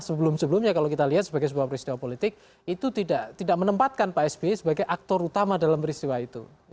sebelum sebelumnya kalau kita lihat sebagai sebuah peristiwa politik itu tidak menempatkan pak sby sebagai aktor utama dalam peristiwa itu